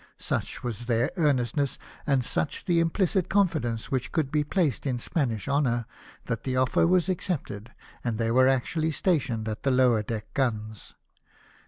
Such Avas their earnestness, and such the imphcit confidence Avhich could be placed in Spanish honour, that tlic offer was accepted, and they Avcre actually stationed at the lower deck guns.